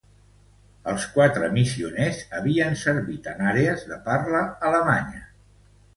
Els quatre missioners havien servit en àrees de parla alemanya.